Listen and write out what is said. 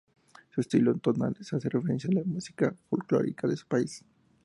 Su estilo tonal hace referencia a la música folclórica de su país.